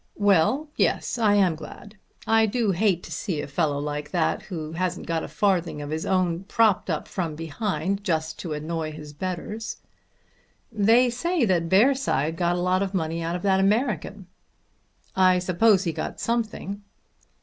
"Well; yes; I am glad. I do hate to see a fellow like that who hasn't got a farthing of his own, propped up from behind just to annoy his betters." "They say that Bearside got a lot of money out of that American." "I suppose he got something."